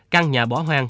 căn nhà bỏ hoang